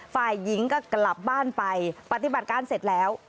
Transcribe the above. ฝ่ายหญิงก็กลับบ้านไปปฏิบัติการเสร็จแล้ว